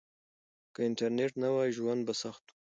که انټرنيټ نه وای ژوند به سخت و.